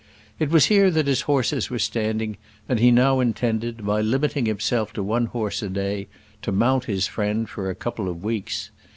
It was here that his horses were standing, and he now intended, by limiting himself to one horse a day, to mount his friend for a couple of weeks.